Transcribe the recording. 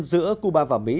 giữa cuba và mỹ